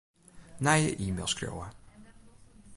Nije e-mail skriuwe.